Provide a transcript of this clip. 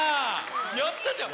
やったじゃん！